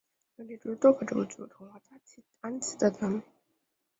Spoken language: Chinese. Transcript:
曾提出豆科植物具有同化大气氮气的能力。